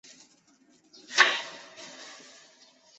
制作者拒绝透露自己的身份。